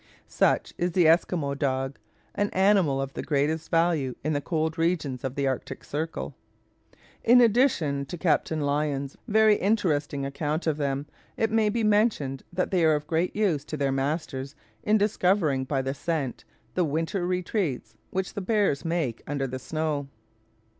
Such is the Esquimaux dog, an animal of the greatest value in the cold regions of the Arctic circle. In addition to Captain Lyon's very interesting account of them, it may be mentioned that they are of great use to their masters in discovering by the scent the winter retreats which the bears make under the snow.